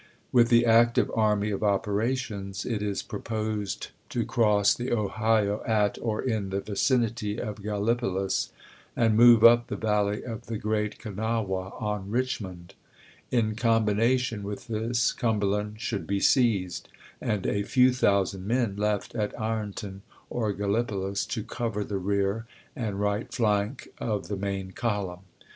With the active army of operations it is proposed to cross the Ohio at or in the vicinity of Gallipolis and move up the valley of the Great Kanawha on Richmond. In com bination with this Cumberland should be seized, and a few thousand men left at Ironton or Gallipolis to cover the rear and right flank of the main column.